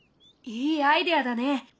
いいアイデアだね！